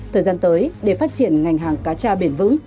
thời gian tới để phát triển ngành hàng cà cha bền vững